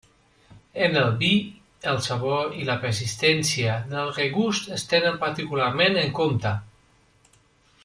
En el vi el sabor i la persistència del regust es tenen particularment en compte.